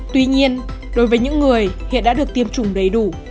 tuy nhiên đối với những người hiện đã được tiêm chủng đầy đủ